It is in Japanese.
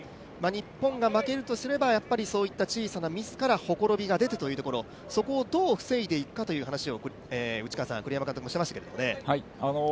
日本が負けるとすればそういった小さなミスからほころびが出てというところ、そこをどう防いでいくかということを栗山監督もしていましたけどね。